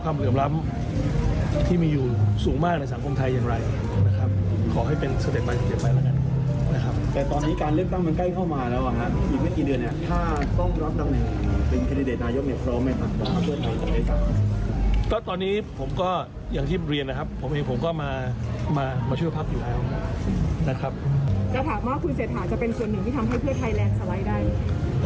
ถามว่าคุณเศรษฐาจะเป็นส่วนหนึ่งที่ทำให้เพื่อไทยแรงสไลด์ได้ไหม